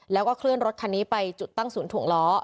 แล้วก็เคลื่อนรถคันนี้ไปจุดตั้งศูนย์ถวงล้อ